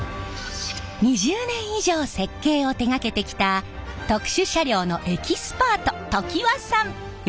２０年以上設計を手がけてきた特殊車両のエキスパート常盤さん！